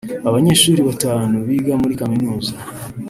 Abanyeshuri batanu biga muri kaminuza